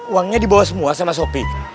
uangnya dibawa semua sama sopi